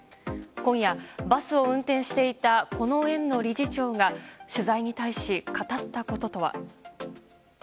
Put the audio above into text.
今夜、バスを運転していたこの園の理事長が取材に対し、語ったこととは。